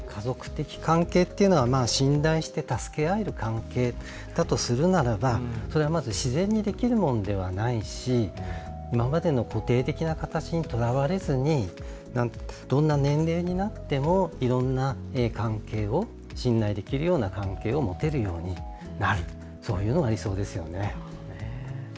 家族的関係っていうのは信頼して助け合える関係だとするならばそれはまず自然にできるものではないし、今までの固定的な形にとらわれずにどんな年齢になってもいろんな関係を、信頼できるような関係を持てるようになる、そういうのが理想ですよね。